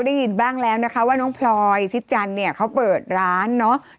ได้ยินบ้างแล้วนะคะว่าน้องพลอยชิดจันทร์เนี่ยเขาเปิดร้านเนาะ